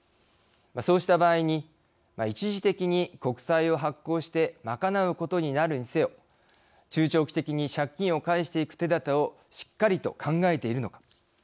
そうした場合に一時的に国債を発行して賄うことになるにせよ中長期的に借金を返していく手だてをしっかりと考えているのか。